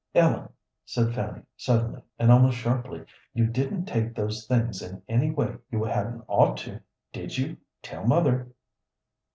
"Ellen," said Fanny, suddenly, and almost sharply, "you didn't take those things in any way you hadn't ought to, did you? Tell mother."